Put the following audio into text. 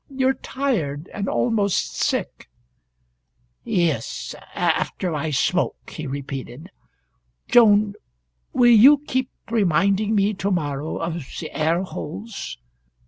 You're tired and almost sick." "Yes after I smoke," he repeated. "Joan, will you keep reminding me to morrow of the air holes?